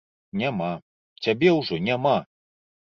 Няма, цябе ўжо няма!